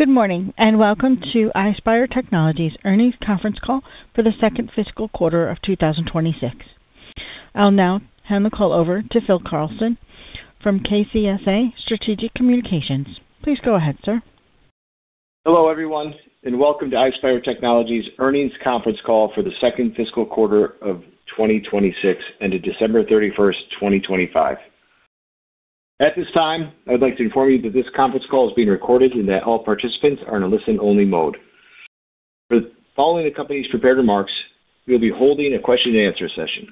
Good morning, and welcome to Ispire Technology Earnings Conference Call for the second fiscal quarter of 2026. I'll now hand the call over to Phil Carlson from KCSA Strategic Communications. Please go ahead, sir. Hello, everyone, and welcome to Ispire Technology Earnings Conference Call for the second fiscal quarter of 2026 ended December 31st, 2025. At this time, I'd like to inform you that this conference call is being recorded and that all participants are in a listen-only mode. Following the company's prepared remarks, we'll be holding a question-and-answer session.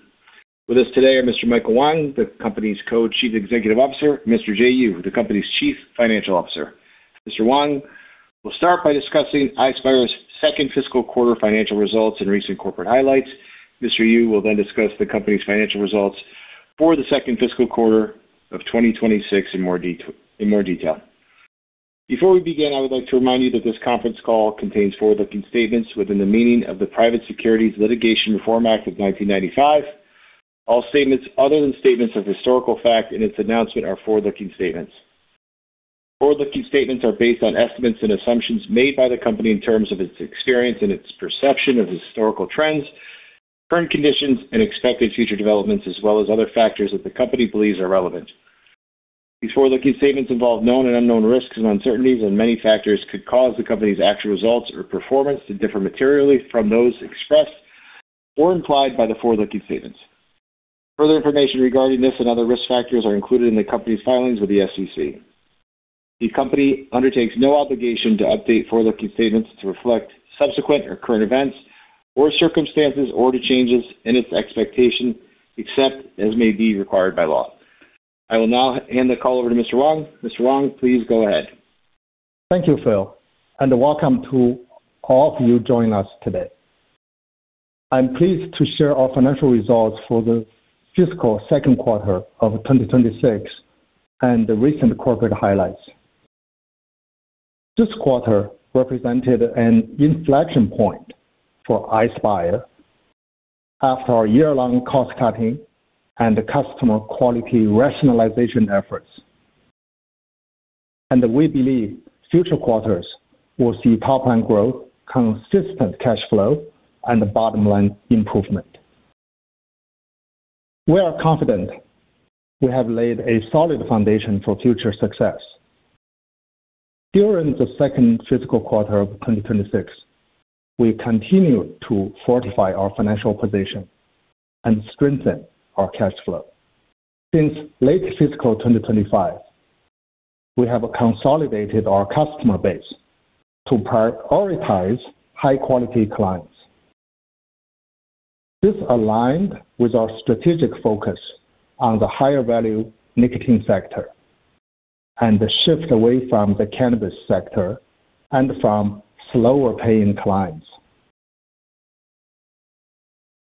With us today are Mr. Michael Wang, the company's Co-Chief Executive Officer, Mr. Jay Yu, the company's Chief Financial Officer. Mr. Wang will start by discussing Ispire's second fiscal quarter financial results and recent corporate highlights. Mr. Yu will then discuss the company's financial results for the second fiscal quarter of 2026 in more detail. Before we begin, I would like to remind you that this conference call contains forward-looking statements within the meaning of the Private Securities Litigation Reform Act of 1995. All statements other than statements of historical fact in its announcement are forward-looking statements. Forward-looking statements are based on estimates and assumptions made by the company in terms of its experience and its perception of historical trends, current conditions, and expected future developments, as well as other factors that the company believes are relevant. These forward-looking statements involve known and unknown risks and uncertainties, and many factors could cause the company's actual results or performance to differ materially from those expressed or implied by the forward-looking statements. Further information regarding this and other risk factors are included in the company's filings with the SEC. The company undertakes no obligation to update forward-looking statements to reflect subsequent or current events or circumstances or to changes in its expectations, except as may be required by law. I will now hand the call over to Mr. Wang. Mr. Wang, please go ahead. Thank you, Phil, and welcome to all of you joining us today. I'm pleased to share our financial results for the fiscal second quarter of 2026 and the recent corporate highlights. This quarter represented an inflection point for Ispire after a year-long cost-cutting and customer quality rationalization efforts. We believe future quarters will see top-line growth, consistent cash flow, and bottom-line improvement. We are confident we have laid a solid foundation for future success. During the second fiscal quarter of 2026, we continued to fortify our financial position and strengthen our cash flow. Since late fiscal 2025, we have consolidated our customer base to prioritize high-quality clients. This aligned with our strategic focus on the higher-value nicotine sector and the shift away from the cannabis sector and from slower-paying clients.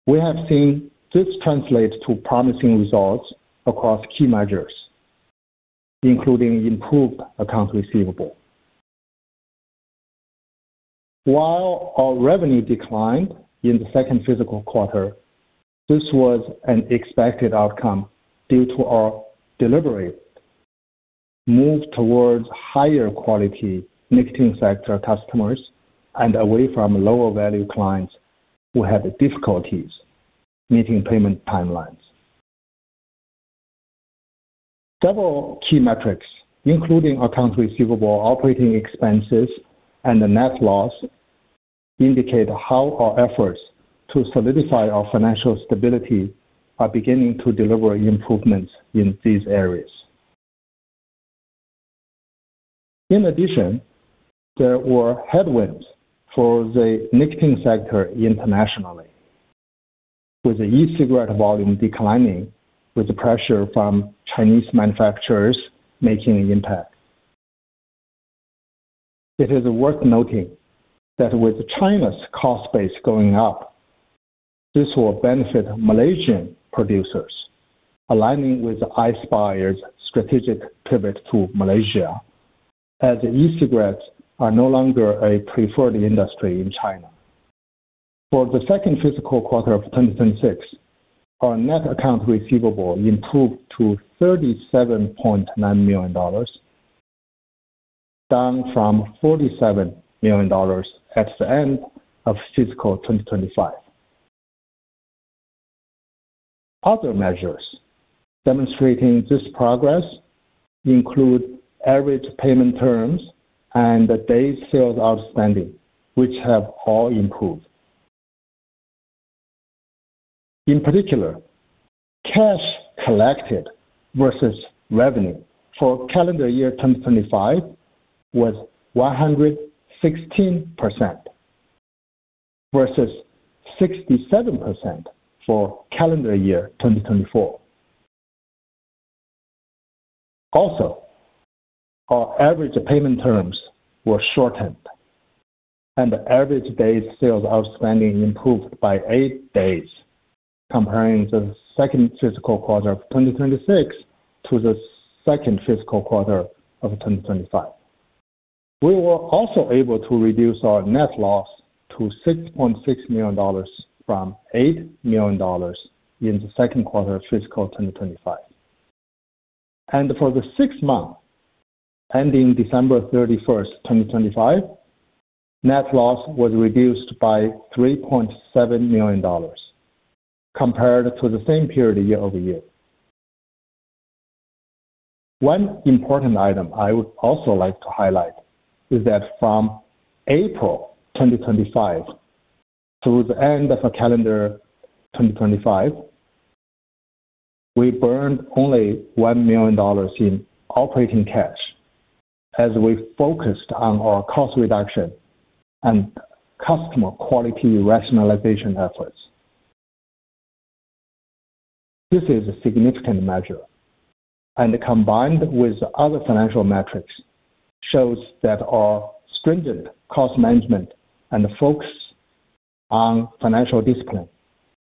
We have seen this translate to promising results across key measures, including improved accounts receivable. While our revenue declined in the second fiscal quarter, this was an expected outcome due to our deliberate move towards higher-quality nicotine sector customers and away from lower-value clients who had difficulties meeting payment timelines. Several key metrics, including accounts receivable, operating expenses, and the net loss, indicate how our efforts to solidify our financial stability are beginning to deliver improvements in these areas. In addition, there were headwinds for the nicotine sector internationally, with the e-cigarette volume declining, with the pressure from Chinese manufacturers making an impact. It is worth noting that with China's cost base going up, this will benefit Malaysian producers, aligning with Ispire's strategic pivot to Malaysia, as e-cigarettes are no longer a preferred industry in China. For the second fiscal quarter of 2026, our net account receivable improved to $37.9 million, down from $47 million at the end of fiscal 2025. Other measures demonstrating this progress include average payment terms and the day sales outstanding, which have all improved. In particular, cash collected versus revenue for calendar year 2025 was 116%, versus 67% for calendar year 2024. Also, our average payment terms were shortened, and the average day sales outstanding improved by 8 days, comparing the second fiscal quarter of 2026 to the second fiscal quarter of 2025. We were also able to reduce our net loss to $6.6 million from $8 million in the second quarter of fiscal 2025.... For the six months ending December 31st, 2025, net loss was reduced by $3.7 million compared to the same period year-over-year. One important item I would also like to highlight is that from April 2025 through the end of calendar 2025, we burned only $1 million in operating cash as we focused on our cost reduction and customer quality rationalization efforts. This is a significant measure, and combined with other financial metrics, shows that our stringent cost management and focus on financial discipline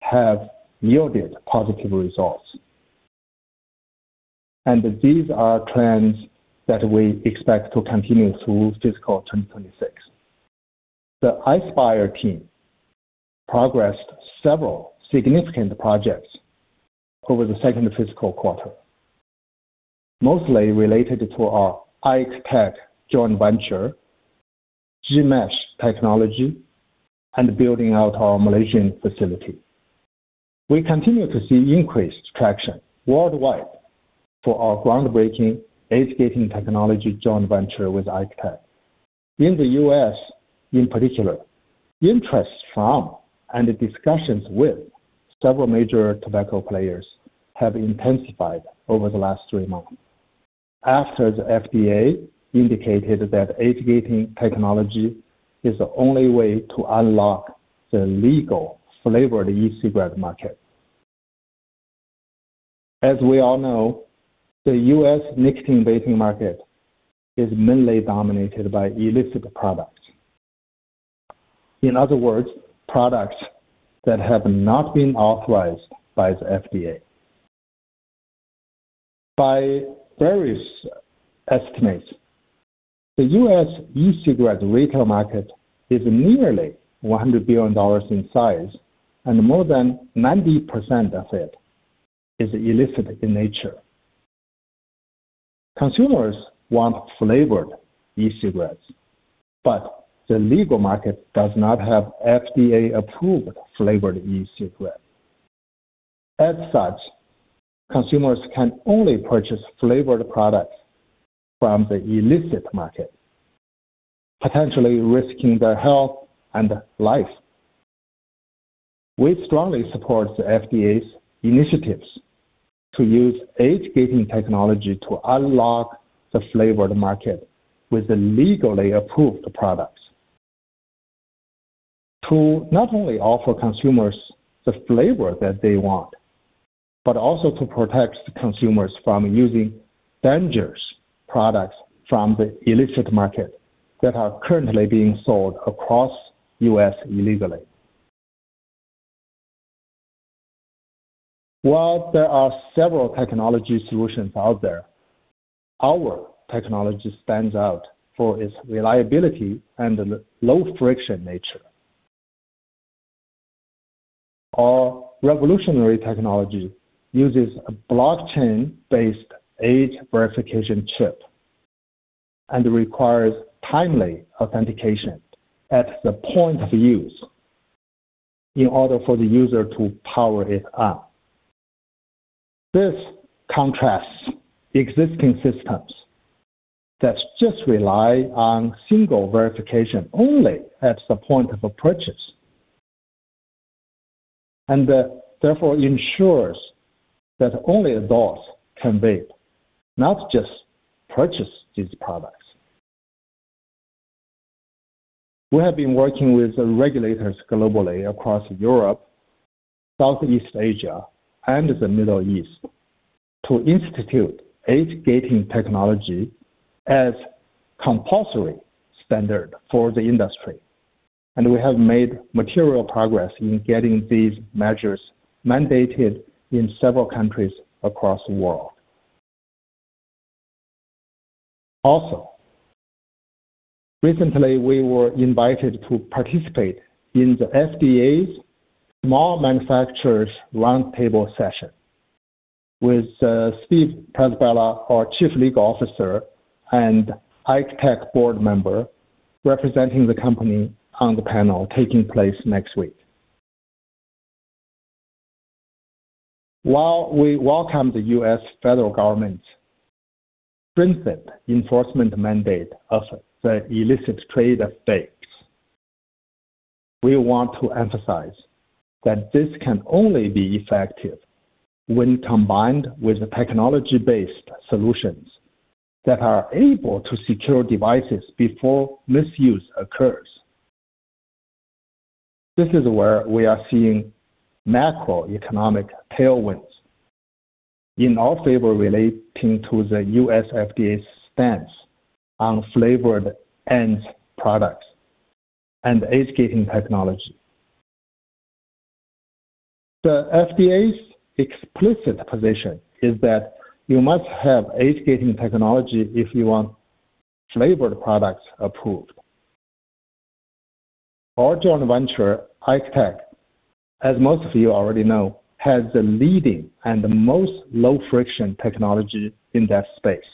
have yielded positive results. And these are trends that we expect to continue through fiscal 2026. The Ispire team progressed several significant projects over the second fiscal quarter, mostly related to our IKE Tech joint venture, G-Mesh technology, and building out our Malaysian facility. We continue to see increased traction worldwide for our groundbreaking age-gating technology joint venture with IKE Tech. In the U.S., in particular, interest from and discussions with several major tobacco players have intensified over the last three months after the FDA indicated that age-gating technology is the only way to unlock the legal flavored e-cigarette market. As we all know, the U.S. nicotine vaping market is mainly dominated by illicit products. In other words, products that have not been authorized by the FDA. By various estimates, the U.S. e-cigarette retail market is nearly $100 billion in size and more than 90% of it is illicit in nature. Consumers want flavored e-cigarettes, but the legal market does not have FDA-approved flavored e-cigarettes. As such, consumers can only purchase flavored products from the illicit market, potentially risking their health and life. We strongly support the FDA's initiatives to use age-gating technology to unlock the flavored market with the legally approved products, to not only offer consumers the flavor that they want, but also to protect consumers from using dangerous products from the illicit market that are currently being sold across U.S. illegally. While there are several technology solutions out there, our technology stands out for its reliability and low-friction nature. Our revolutionary technology uses a blockchain-based age verification chip and requires timely authentication at the point of use in order for the user to power it up. This contrasts existing systems that just rely on single verification only at the point of a purchase, and, therefore ensures that only adults can vape, not just purchase these products. We have been working with the regulators globally across Europe, Southeast Asia, and the Middle East, to institute age-gating technology as compulsory standard for the industry. We have made material progress in getting these measures mandated in several countries across the world. Also, recently, we were invited to participate in the FDA's Small Manufacturers Roundtable session with Steve Tarabella, our Chief Legal Officer and IKE Tech board member, representing the company on the panel taking place next week. While we welcome the U.S. federal government's stringent enforcement mandate of the illicit trade of vapes, we want to emphasize that this can only be effective when combined with the technology-based solutions that are able to secure devices before misuse occurs. This is where we are seeing macroeconomic tailwinds in our favor relating to the U.S. FDA's stance on flavored ENDS products and age-gating technology. The FDA's explicit position is that you must have age-gating technology if you want flavored products approved. Our joint venture, IKE Tech, as most of you already know, has the leading and the most low-friction technology in that space,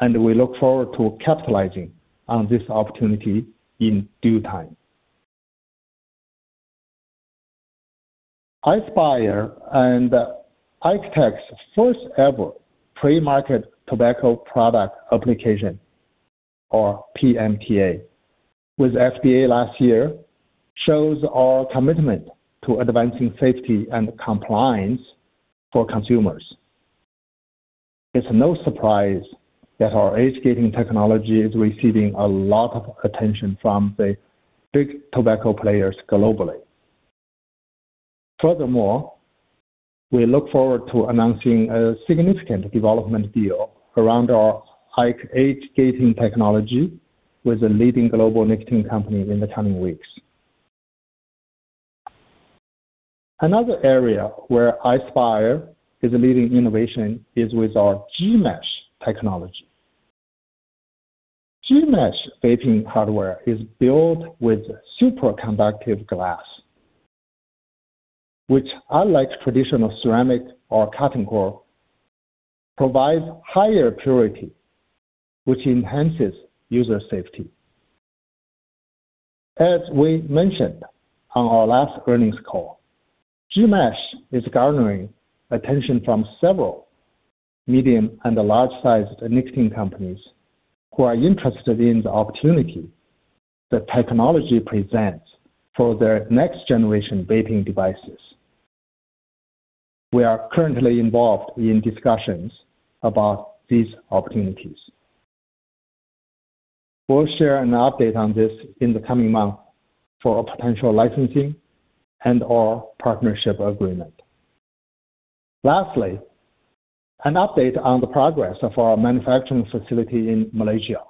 and we look forward to capitalizing on this opportunity in due time. Ispire and IKE Tech's first-ever pre-market tobacco product application, or PMTA, with FDA last year, shows our commitment to advancing safety and compliance for consumers. It's no surprise that our age-gating technology is receiving a lot of attention from the big tobacco players globally. Furthermore, we look forward to announcing a significant development deal around our IKE age-gating technology with the leading global nicotine company in the coming weeks. Another area where Ispire is leading innovation is with our G-Mesh technology. G-Mesh vaping hardware is built with superconductive glass, which, unlike traditional ceramic or cotton core, provides higher purity, which enhances user safety. As we mentioned on our last earnings call, G-Mesh is garnering attention from several medium- and large-sized nicotine companies who are interested in the opportunity the technology presents for their next-generation vaping devices. We are currently involved in discussions about these opportunities. We'll share an update on this in the coming months for a potential licensing and/or partnership agreement. Lastly, an update on the progress of our manufacturing facility in Malaysia.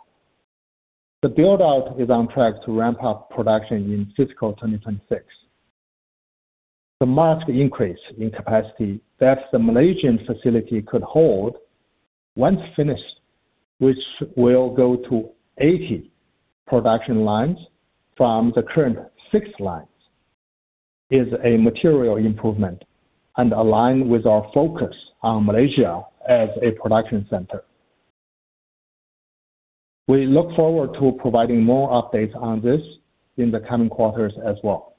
The build-out is on track to ramp up production in fiscal 2026. The marked increase in capacity that the Malaysian facility could hold once finished, which will go to 80 production lines from the current 6 lines, is a material improvement and align with our focus on Malaysia as a production center. We look forward to providing more updates on this in the coming quarters as well.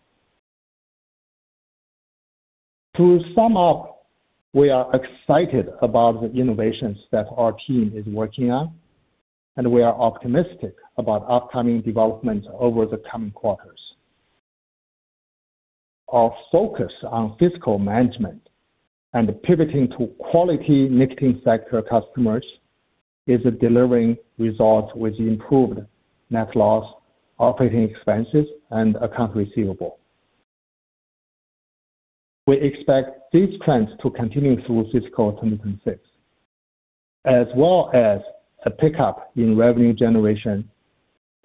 To sum up, we are excited about the innovations that our team is working on, and we are optimistic about upcoming developments over the coming quarters. Our focus on fiscal management and pivoting to quality nicotine sector customers is delivering results with improved net loss, operating expenses, and accounts receivable. We expect these trends to continue through fiscal 2026, as well as a pickup in revenue generation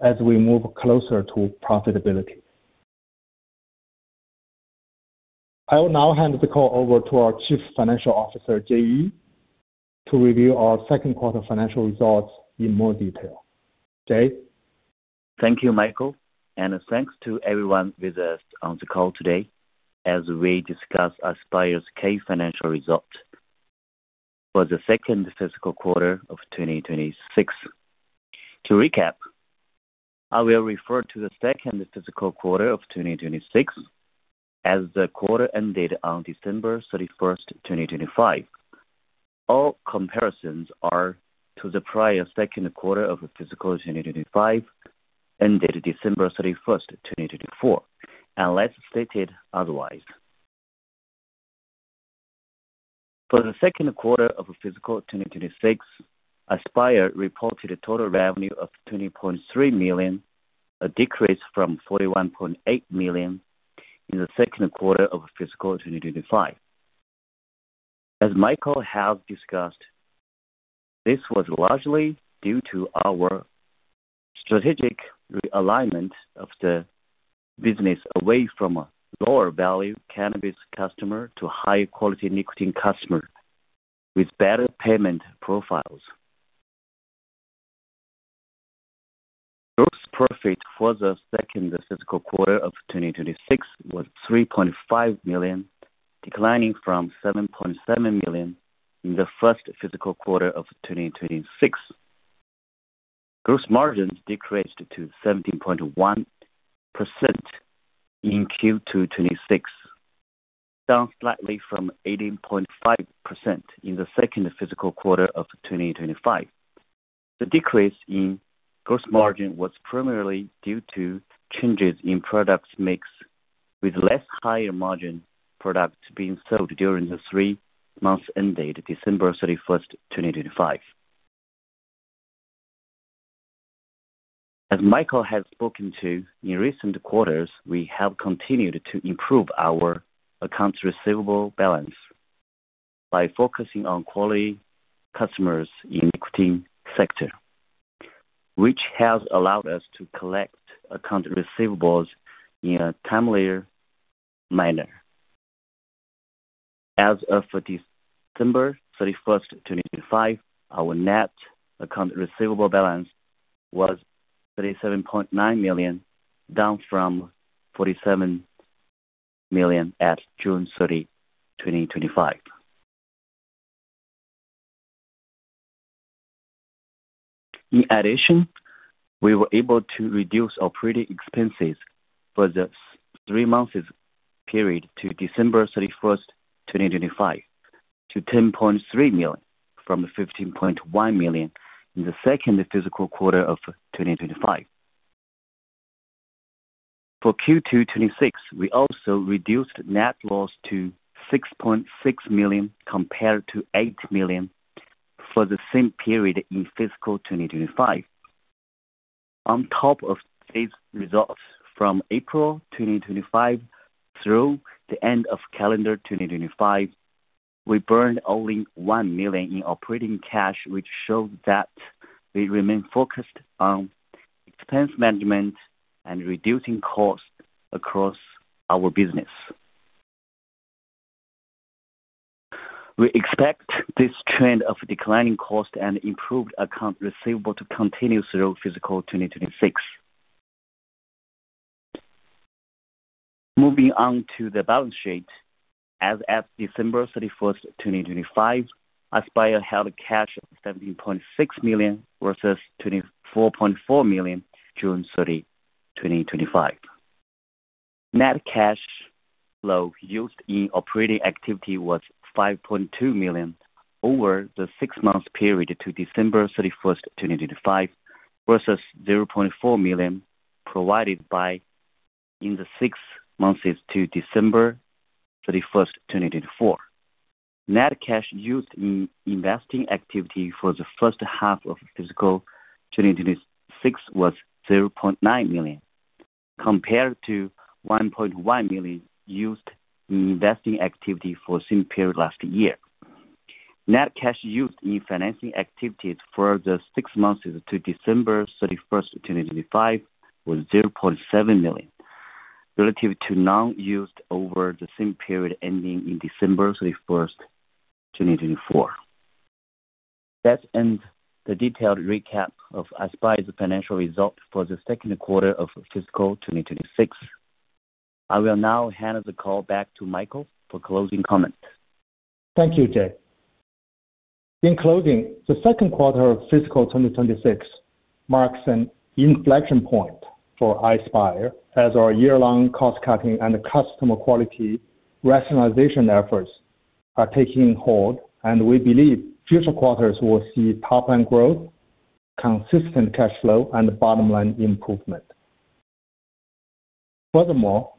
as we move closer to profitability. I will now hand the call over to our Chief Financial Officer, Jay Yu, to review our second quarter financial results in more detail. Jay? Thank you, Michael, and thanks to everyone with us on the call today as we discuss Ispire's key financial results for the second fiscal quarter of 2026. To recap, I will refer to the second fiscal quarter of 2026 as the quarter ended on December 31st, 2025. All comparisons are to the prior second quarter of fiscal 2025, ended December 31st, 2024, unless stated otherwise. For the second quarter of fiscal 2026, Ispire reported a total revenue of $20.3 million, a decrease from $41.8 million in the second quarter of fiscal 2025. As Michael has discussed, this was largely due to our strategic realignment of the business away from a lower-value cannabis customer to high-quality nicotine customer with better payment profiles. Gross profit for the second fiscal quarter of 2026 was $3.5 million, declining from $7.7 million in the first fiscal quarter of 2026. Gross margins decreased to 17.1% in Q2 2026, down slightly from 18.5% in the second fiscal quarter of 2025. The decrease in gross margin was primarily due to changes in product mix, with less higher-margin products being sold during the three months ended December 31st, 2025. As Michael has spoken to, in recent quarters, we have continued to improve our accounts receivable balance by focusing on quality customers in nicotine sector, which has allowed us to collect account receivables in a timelier manner. As of December 31st, 2025, our net account receivable balance was $37.9 million, down from $47 million at June 30th, 2025. In addition, we were able to reduce operating expenses for the three months period to December 31st, 2025, to $10.3 million from $15.1 million in the second fiscal quarter of 2025. For Q2 2026, we also reduced net loss to $6.6 million compared to $8 million for the same period in fiscal 2025. On top of these results, from April 2025, through the end of calendar 2025, we burned only $1 million in operating cash, which showed that we remain focused on expense management and reducing costs across our business. We expect this trend of declining cost and improved account receivable to continue through fiscal 2026. Moving on to the balance sheet. As at December 31st, 2025, Ispire held cash of $17.6 million, versus $24.4 million, June 30th, 2025. Net cash flow used in operating activity was $5.2 million over the six-month period to December 31st, 2025, versus $0.4 million provided by in the six months to December 31st, 2024. Net cash used in investing activity for the first half of fiscal 2026 was $0.9 million, compared to $1.1 million used in investing activity for the same period last year. Net cash used in financing activities for the 6 months to December 31st, 2025, was $0.7 million, relative to none used over the same period ending in December 31st, 2024. That ends the detailed recap of Ispire's financial results for the second quarter of fiscal 2026. I will now hand the call back to Michael for closing comments. Thank you, Jay. In closing, the second quarter of fiscal 2026 marks an inflection point for Ispire, as our year-long cost-cutting and customer-quality rationalization efforts are taking hold, and we believe future quarters will see top-line growth, consistent cash flow, and bottom-line improvement. Furthermore,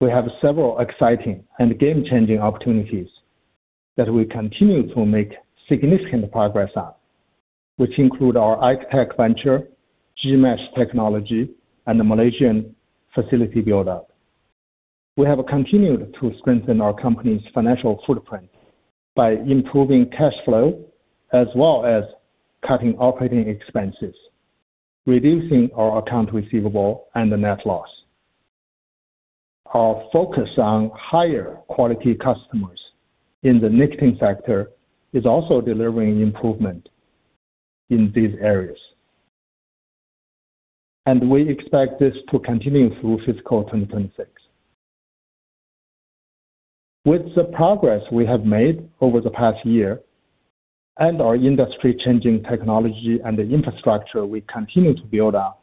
we have several exciting and game-changing opportunities that we continue to make significant progress on, which include our IKE Tech venture, G-Mesh technology, and the Malaysian facility build-up. We have continued to strengthen our company's financial footprint by improving cash flow, as well as cutting operating expenses, reducing our accounts receivable and the net loss. Our focus on higher quality customers in the nicotine sector is also delivering improvement in these areas. We expect this to continue through fiscal 2026. With the progress we have made over the past year and our industry-changing technology and the infrastructure we continue to build on,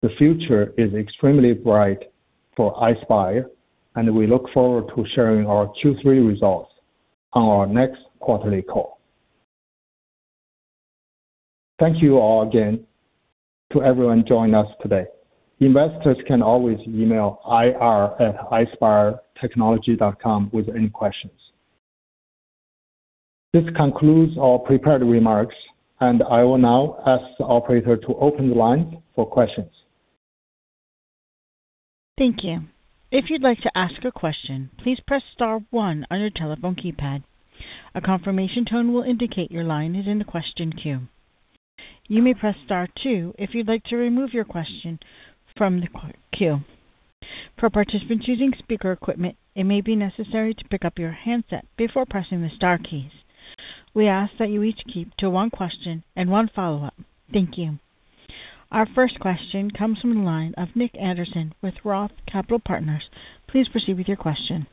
the future is extremely bright for Ispire, and we look forward to sharing our Q3 results on our next quarterly call. Thank you all again to everyone joining us today. Investors can always email ir@ispiretechnology.com with any questions. This concludes our prepared remarks, and I will now ask the operator to open the line for questions. Thank you. If you'd like to ask a question, please press star one on your telephone keypad. A confirmation tone will indicate your line is in the question queue. You may press star two if you'd like to remove your question from the queue. For participants using speaker equipment, it may be necessary to pick up your handset before pressing the star keys. We ask that you each keep to one question and one follow-up. Thank you. Our first question comes from the line of Nick Anderson with Roth Capital Partners. Please proceed with your question.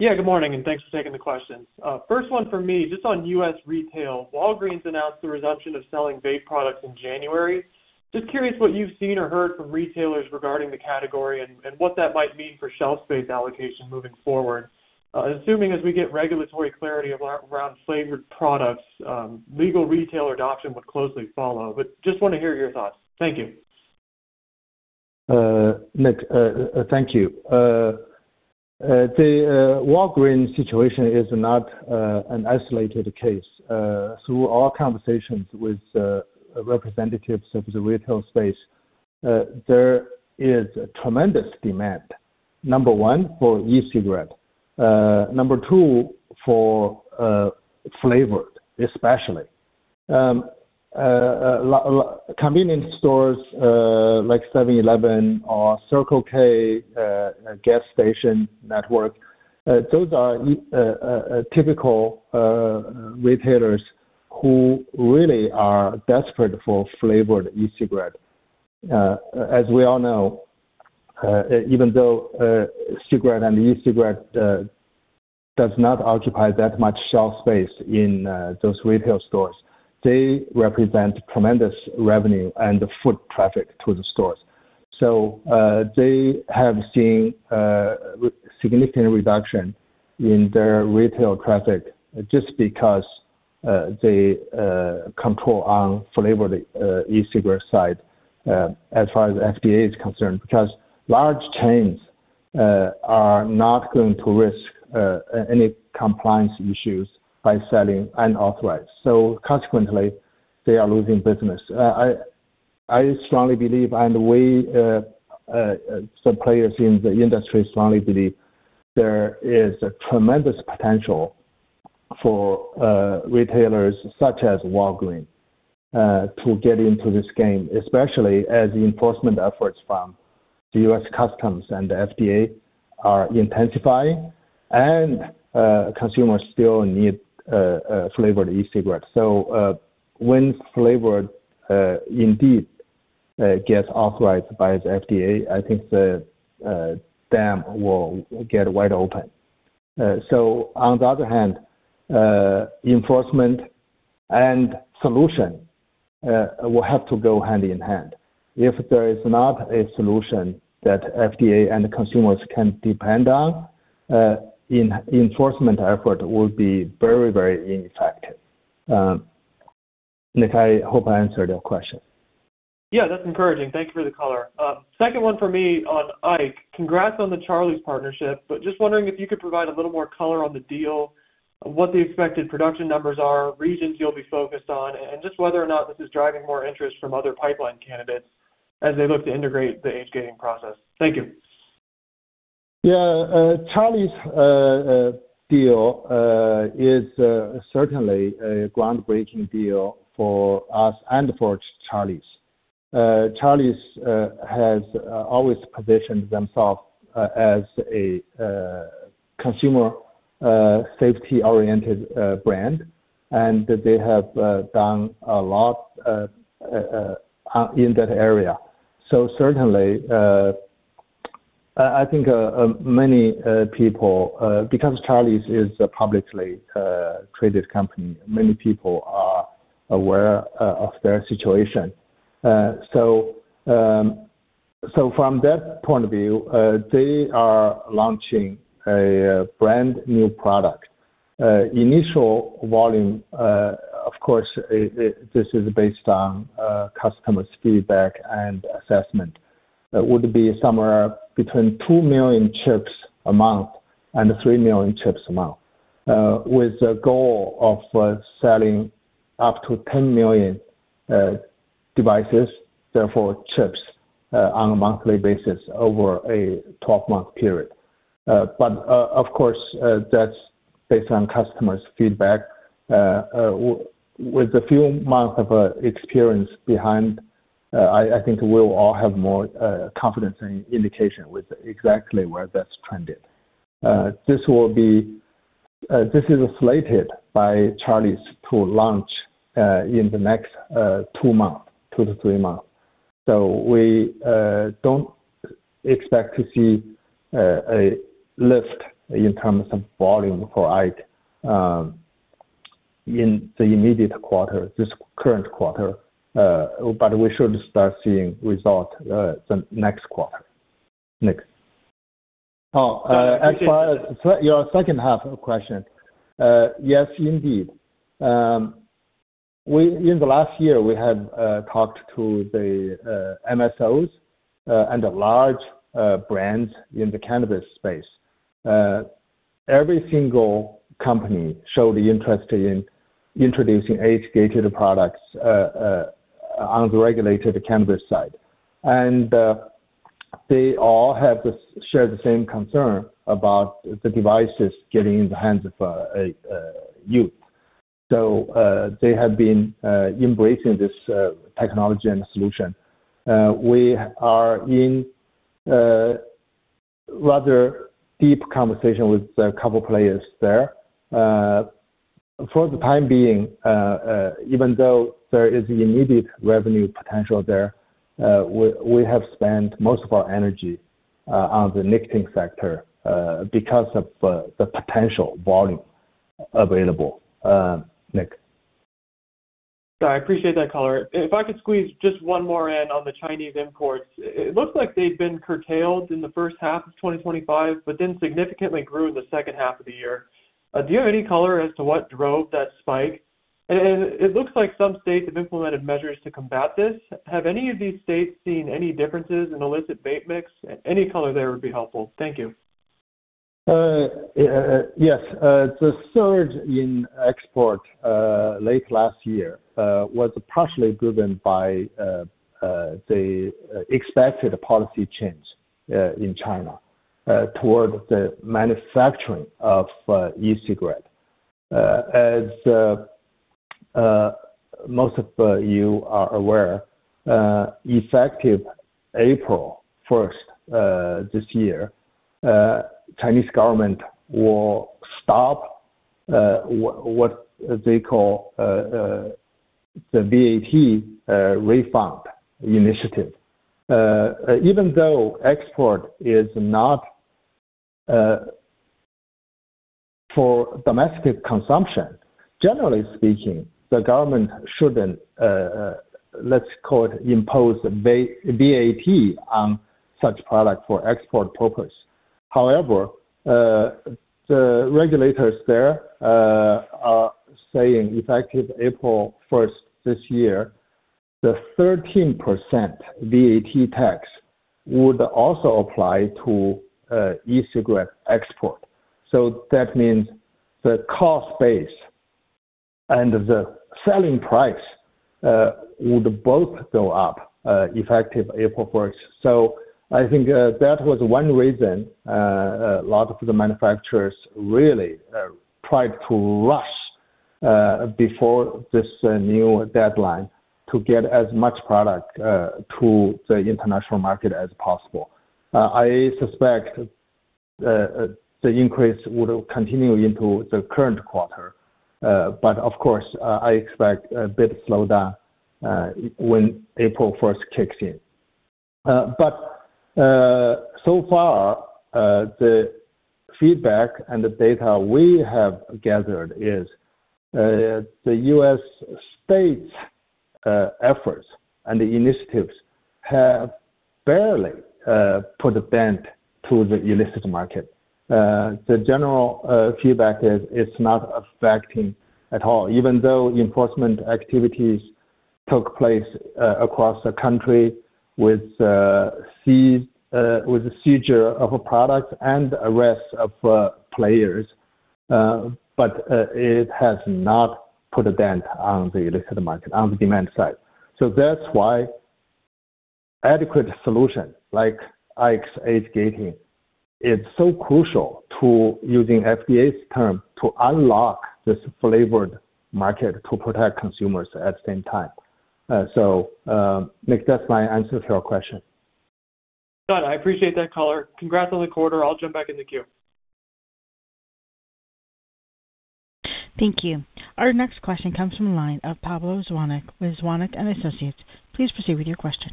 Yeah, good morning, and thanks for taking the questions. First one for me, just on U.S. retail. Walgreens announced the resumption of selling vape products in January. Just curious what you've seen or heard from retailers regarding the category and what that might mean for shelf space allocation moving forward. Assuming as we get regulatory clarity around flavored products, legal retailer adoption would closely follow, but just want to hear your thoughts. Thank you. Nick, thank you. The Walgreens situation is not an isolated case. Through our conversations with representatives of the retail space, there is tremendous demand, number one, for e-cigarette, number two, for flavored, especially. Like convenience stores, like 7-Eleven or Circle K, gas station network, those are typical retailers who really are desperate for flavored e-cigarette. As we all know, even though cigarette and e-cigarette does not occupy that much shelf space in those retail stores, they represent tremendous revenue and foot traffic to the stores. So, they have seen significant reduction in their retail traffic just because the control on flavored e-cigarette side, as far as FDA is concerned. Because large chains are not going to risk any compliance issues by selling unauthorized. So consequently, they are losing business. I strongly believe, and the way some players in the industry strongly believe, there is a tremendous potential for retailers such as Walgreens to get into this game, especially as enforcement efforts from the U.S. Customs and the FDA are intensifying, and consumers still need flavored e-cigarettes. So, when flavored indeed gets authorized by the FDA, I think the dam will get wide open. So on the other hand, enforcement and solution will have to go hand in hand. If there is not a solution that FDA and the consumers can depend on, the enforcement effort will be very, very ineffective. Nick, I hope I answered your question. Yeah, that's encouraging. Thank you for the color. Second one for me on IKE. Congrats on the Charlie's partnership, but just wondering if you could provide a little more color on the deal, what the expected production numbers are, regions you'll be focused on, and just whether or not this is driving more interest from other pipeline candidates as they look to integrate the age-gating process. Thank you. Yeah, Charlie's deal is certainly a groundbreaking deal for us and for Charlie's. Charlie's has always positioned themselves as a consumer safety-oriented brand, and they have done a lot in that area. So certainly, I think many people, because Charlie's is a publicly traded company, many people are aware of their situation. So from that point of view, they are launching a brand new product. Initial volume, of course, this is based on customers' feedback and assessment, would be somewhere between 2 million chips a month and 3 million chips a month, with the goal of selling up to 10 million devices, therefore chips, on a monthly basis over a 12-month period. But, of course, that's based on customers' feedback. With a few months of experience behind, I think we'll all have more confidence and indication with exactly where that's trended. This is slated by Charlie's to launch in the next 2 months, 2-3 months. So we don't expect to see a lift in terms of volume for 2Q in the immediate quarter, this current quarter, but we should start seeing results the next quarter. Next. Oh, as far as your second half of the question, yes, indeed. In the last year, we have talked to the MSOs and the large brands in the cannabis space. Every single company showed the interest in introducing age-gated products on the regulated cannabis side. And they all have shared the same concern about the devices getting in the hands of youth. So they have been embracing this technology and solution. We are in rather deep conversation with a couple players there. For the time being, even though there is immediate revenue potential there, we have spent most of our energy on the nicotine sector because of the potential volume available. Nick. I appreciate that color. If I could squeeze just one more in on the Chinese imports. It looks like they've been curtailed in the first half of 2025, but then significantly grew in the second half of the year. Do you have any color as to what drove that spike? And it, it looks like some states have implemented measures to combat this. Have any of these states seen any differences in illicit vape mix? Any color there would be helpful. Thank you. Yes. The surge in export late last year was partially driven by the expected policy change in China toward the manufacturing of e-cigarette. As most of you are aware, effective April first this year, Chinese government will stop what they call the VAT refund initiative. Even though export is not for domestic consumption, generally speaking, the government shouldn't, let's call it, impose VAT on such product for export purpose. However, the regulators there are saying effective April first this year, the 13% VAT tax would also apply to e-cigarette export. So that means the cost base and the selling price would both go up effective April first. So I think that was one reason, a lot of the manufacturers really tried to rush before this new deadline to get as much product to the international market as possible. I suspect the increase would continue into the current quarter. But of course, I expect a bit slowdown when April first kicks in. But so far, the feedback and the data we have gathered is the U.S. states' efforts and the initiatives have barely put a dent to the illicit market. The general feedback is it's not affecting at all, even though enforcement activities took place across the country with the seizure of a product and arrests of players. But, it has not put a dent on the illicit market, on the demand side. So that's why adequate solution like IKE Tech age gating is so crucial to, using FDA's term, to unlock this flavored market to protect consumers at the same time. So, Nick, that's my answer to your question. Got it. I appreciate that, Caller. Congrats on the quarter. I'll jump back in the queue. Thank you. Our next question comes from the line of Pablo Zuanic with Zuanic and Associates. Please proceed with your question.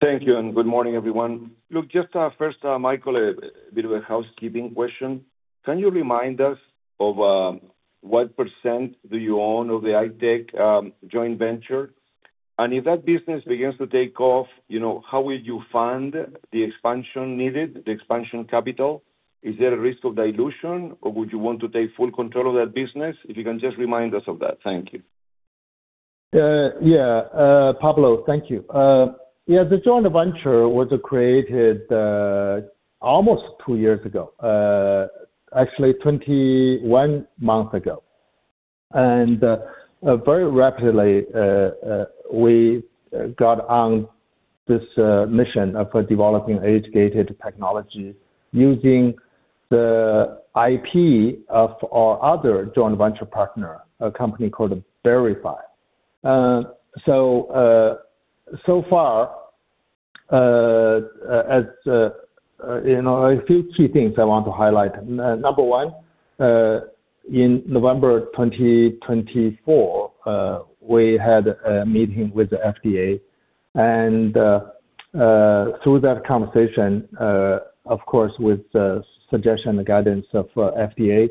Thank you, and good morning, everyone. Look, just, first, Michael, a bit of a housekeeping question. Can you remind us of, what percent do you own of the IKE Tech, joint venture? And if that business begins to take off, you know, how will you fund the expansion needed, the expansion capital? Is there a risk of dilution, or would you want to take full control of that business? If you can just remind us of that. Thank you. Yeah, Pablo, thank you. Yeah, the joint venture was created almost 2 years ago, actually 21 months ago. And very rapidly, we got on this mission of developing age-gated technology using the IP of our other joint venture partner, a company called Berify. So, so far, as you know, a few key things I want to highlight. Number one, in November 2024, we had a meeting with the FDA, and through that conversation, of course, with the suggestion and guidance of FDA,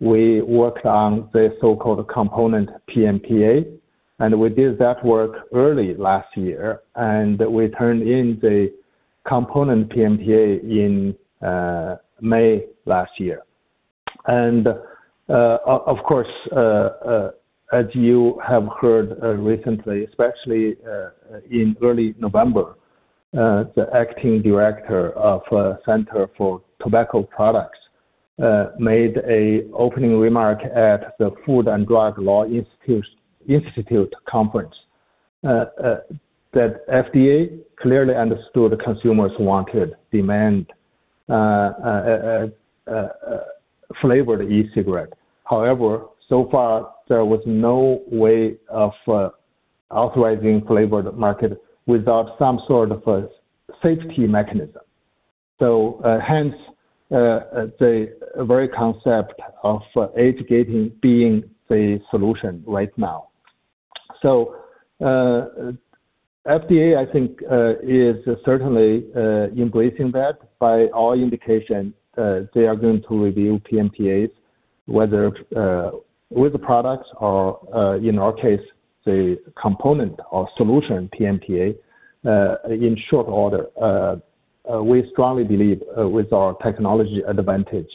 we worked on the so-called component PMTA, and we did that work early last year, and we turned in the component PMTA in May last year. Of course, as you have heard recently, especially in early November, the acting director of Center for Tobacco Products made a opening remark at the Food and Drug Law Institute conference that FDA clearly understood consumers wanted, demand flavored e-cigarette. However, so far, there was no way of authorizing flavored market without some sort of a safety mechanism. Hence, the very concept of age-gating being the solution right now. FDA, I think, is certainly embracing that. By all indication, they are going to review PMTAs, whether with the products or, in our case, the component or solution PMTA, in short order. We strongly believe with our technology advantage,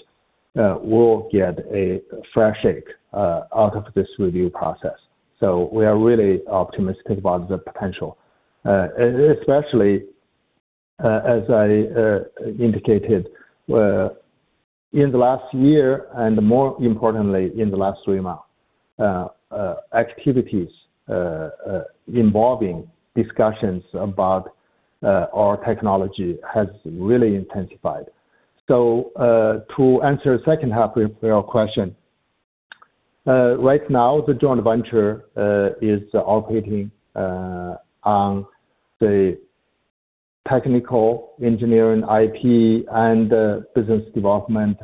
we'll get a fair shake out of this review process. So we are really optimistic about the potential. Especially, as I indicated, in the last year, and more importantly, in the last three months, activities involving discussions about our technology has really intensified. So, to answer the second half of your question, right now, the joint venture is operating on the technical engineering IP and business development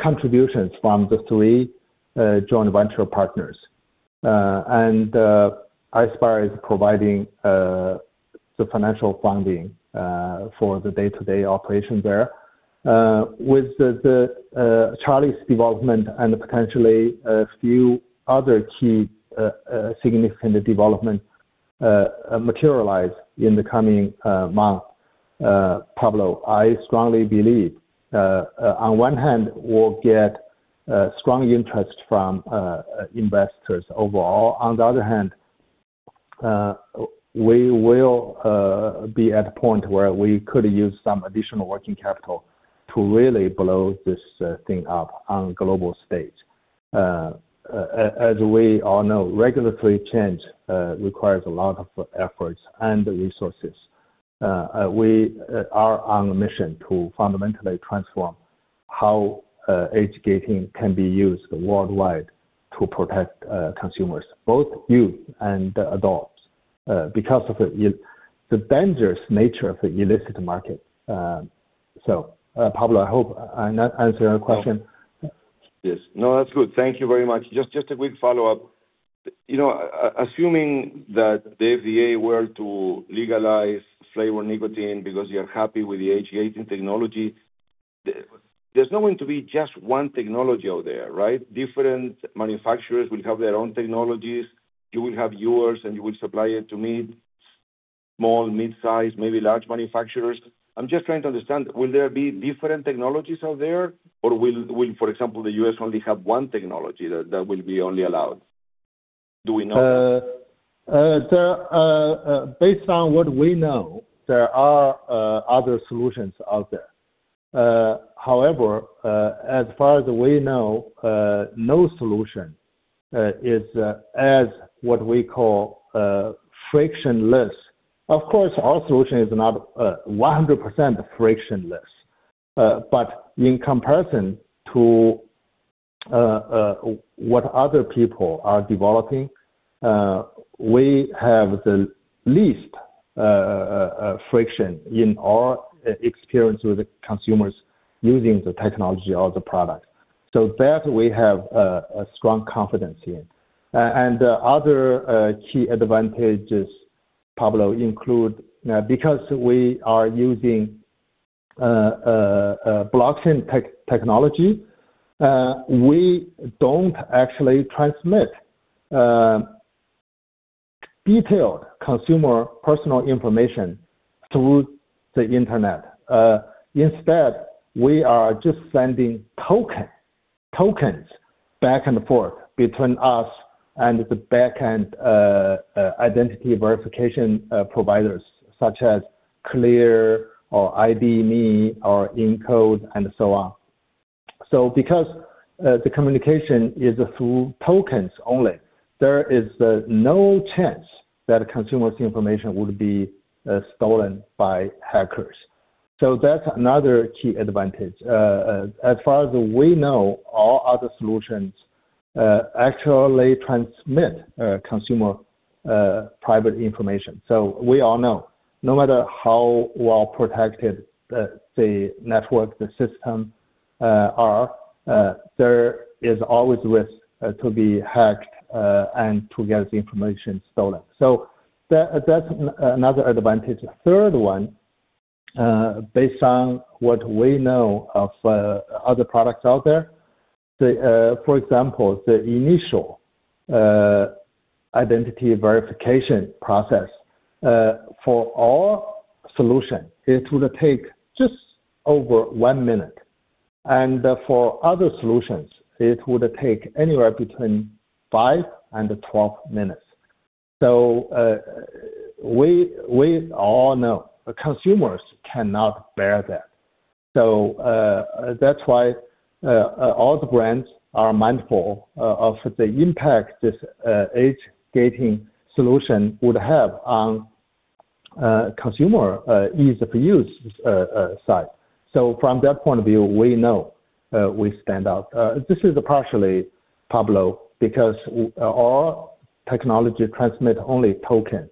contributions from the three joint venture partners. And Ispire is providing the financial funding for the day-to-day operations there. With the Charlie's development and potentially a few other key significant development materialize in the coming months, Pablo, I strongly believe, on one hand, we'll get strong interest from investors overall. On the other hand, we will be at a point where we could use some additional working capital to really blow this thing up on global stage. As we all know, regulatory change requires a lot of efforts and resources. We are on a mission to fundamentally transform how age gating can be used worldwide to protect consumers, both youth and adults, because of the dangerous nature of the illicit market. So, Pablo, I hope I not answer your question. Yes. No, that's good. Thank you very much. Just a quick follow-up. You know, assuming that the FDA were to legalize flavored nicotine because you're happy with the age gating technology, there's not going to be just one technology out there, right? Different manufacturers will have their own technologies. You will have yours, and you will supply it to meet small, mid-size, maybe large manufacturers. I'm just trying to understand, will there be different technologies out there, or will, for example, the U.S. only have one technology that will be only allowed? Do we know that? Based on what we know, there are other solutions out there. However, as far as we know, no solution is as what we call frictionless. Of course, our solution is not 100% frictionless, but in comparison to what other people are developing, we have the least friction in our experience with the consumers using the technology or the product. So that we have a strong confidence in. And other key advantages, Pablo, include because we are using blockchain technology, we don't actually transmit detailed consumer personal information through the internet. Instead, we are just sending tokens back and forth between us and the backend, identity verification providers such as CLEAR or ID.me or Incode, and so on. So because the communication is through tokens only, there is no chance that consumers' information would be stolen by hackers. So that's another key advantage. As far as we know, all other solutions actually transmit consumer private information. So we all know, no matter how well protected the network, the system are, there is always risk to be hacked and to get the information stolen. So that, that's another advantage. Third one, based on what we know of other products out there, for example, the initial identity verification process for our solution, it would take just over one minute, and for other solutions, it would take anywhere between five and 12 minutes. So, we all know consumers cannot bear that. So, that's why all the brands are mindful of the impact this age-gating solution would have on consumer ease of use side. So from that point of view, we know we stand out. This is partially, Pablo, because our technology transmit only token,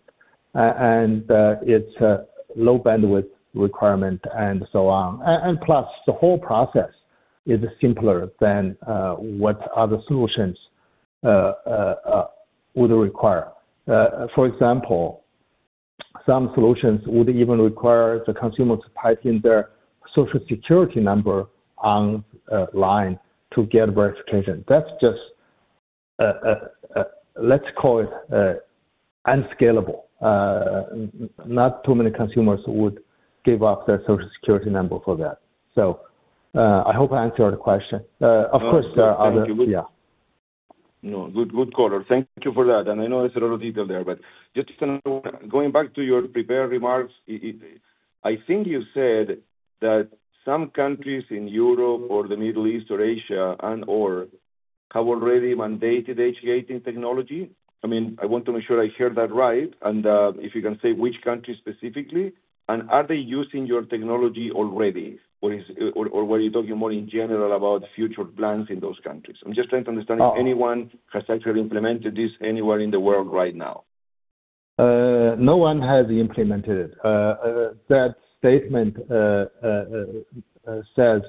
and it's a low bandwidth requirement and so on. And plus, the whole process is simpler than what other solutions would require. For example, some solutions would even require the consumer to type in their Social Security number online to get verification. That's just, let's call it, unscalable. Not too many consumers would give up their Social Security number for that. So, I hope I answered your question. Of course, there are other- yeah. You know, good, good color. Thank you for that. I know it's a lot of detail there, but just going back to your prepared remarks, I think you said that some countries in Europe or the Middle East or Asia and/or have already mandated age-gating technology. I mean, I want to make sure I heard that right, and if you can say which countries specifically, and are they using your technology already? Or were you talking more in general about future plans in those countries? I'm just trying to understand if anyone has actually implemented this anywhere in the world right now. No one has implemented it. That statement says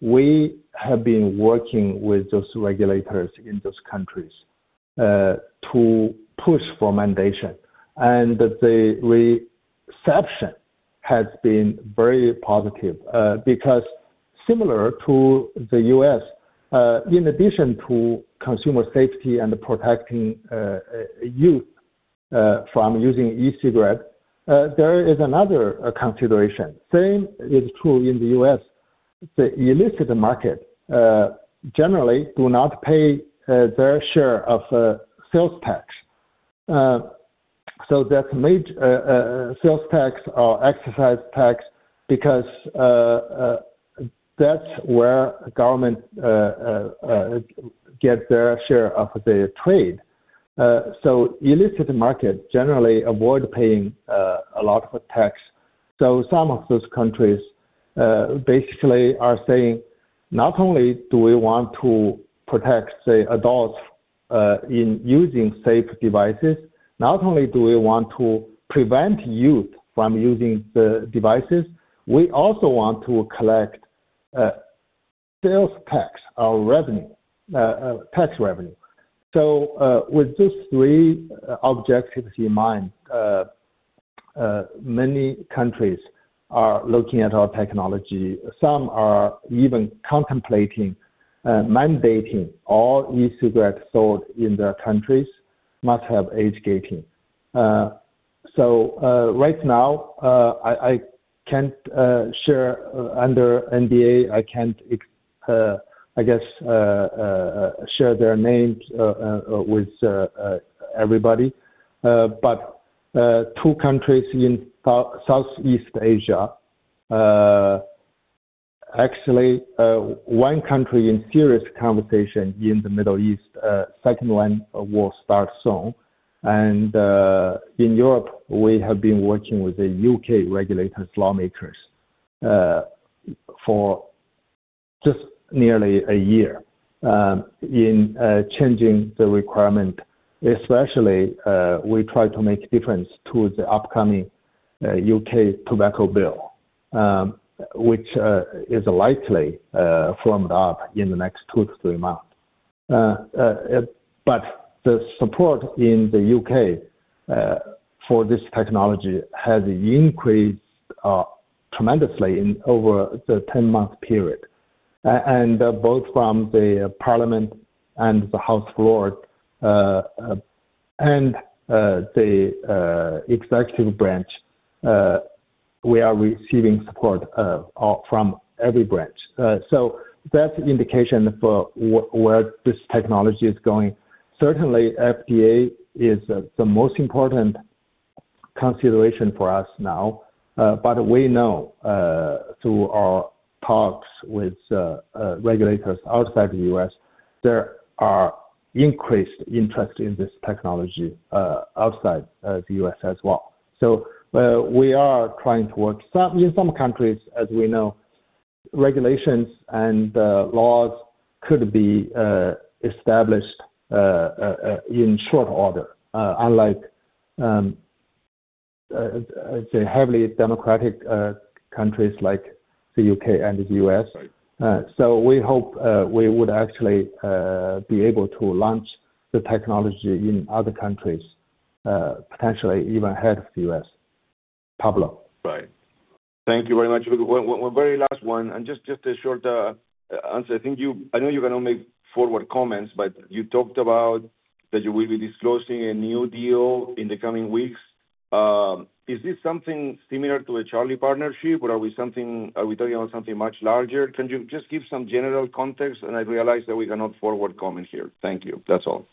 we have been working with those regulators in those countries to push for mandation. The reception has been very positive, because similar to the U.S., in addition to consumer safety and protecting youth from using e-cigarettes, there is another consideration. Same is true in the U.S. The illicit market generally do not pay their share of sales tax. That's made sales tax or excise tax because that's where government get their share of the trade. Illicit market generally avoid paying a lot of tax. So some of those countries basically are saying, "Not only do we want to protect, say, adults in using safe devices, not only do we want to prevent youth from using the devices, we also want to collect sales tax or revenue, tax revenue." So, with these three objectives in mind, many countries are looking at our technology. Some are even contemplating mandating all e-cigarettes sold in their countries must have age-gating. So, right now, I can't share under NDA, I can't, I guess, share their names with everybody. But, two countries in Southeast Asia, actually, one country in serious conversation in the Middle East, second one will start soon, and, in Europe, we have been working with the UK regulators lawmakers, for just nearly a year, in, changing the requirement. Especially, we try to make difference to the upcoming, UK tobacco bill, which, is likely, formed up in the next 2-3 months. But the support in the UK, for this technology has increased, tremendously in over the 10-month period. And both from the parliament and the House floor, and, the, executive branch, we are receiving support, from every branch. So that's indication for where this technology is going. Certainly, FDA is the most important consideration for us now, but we know through our talks with regulators outside the U.S., there are increased interest in this technology outside the U.S. as well. So, we are trying to work. In some countries, as we know, regulations and laws could be established in short order, unlike say, heavily democratic countries like the U.K. and the U.S. So we hope we would actually be able to launch the technology in other countries, potentially even ahead of the U.S. Pablo. Right. Thank you very much. One very last one, and just a short answer. I think you. I know you cannot make forward comments, but you talked about that you will be disclosing a new deal in the coming weeks. Is this something similar to a Charlie partnership, or are we something- are we talking about something much larger? Can you just give some general context? And I realize that we cannot forward comment here. Thank you. That's all.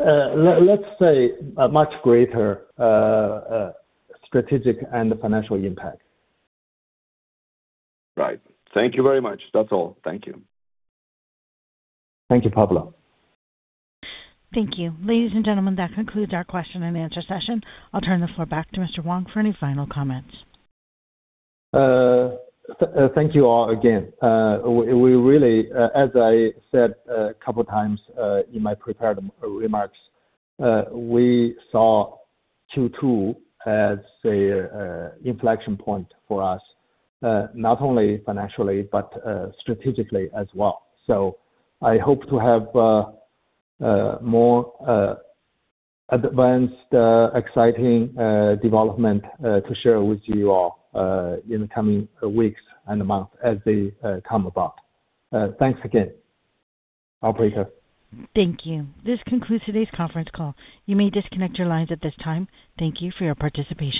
Let's say a much greater strategic and financial impact. Right. Thank you very much. That's all. Thank you. Thank you, Pablo. Thank you. Ladies and gentlemen, that concludes our question and answer session. I'll turn the floor back to Mr. Wang for any final comments. Thank you all again. We really, as I said, a couple times, in my prepared remarks, we saw Q2 as a inflection point for us, not only financially, but strategically as well. So I hope to have more advanced, exciting development to share with you all, in the coming weeks and months as they come about. Thanks again. Operator. Thank you. This concludes today's conference call. You may disconnect your lines at this time. Thank you for your participation.